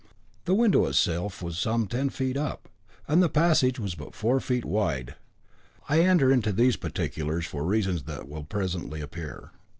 The window itself was some ten feet up, and the passage was but four feet wide. I enter into these particulars for reasons that will presently appear.